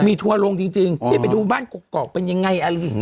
ไปดูบ้านกรกกรอกเป็นยังไง